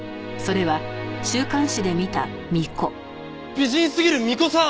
美人すぎる巫女さん！